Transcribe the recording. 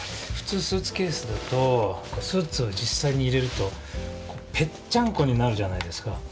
普通スーツケースだとスーツを実際に入れるとペッチャンコになるじゃないですか。